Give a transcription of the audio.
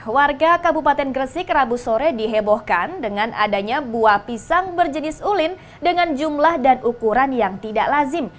warga kabupaten gresik rabu sore dihebohkan dengan adanya buah pisang berjenis ulin dengan jumlah dan ukuran yang tidak lazim